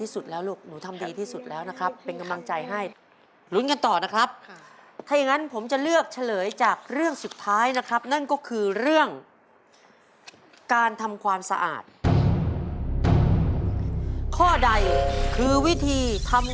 ส่วนเลือกที่สี่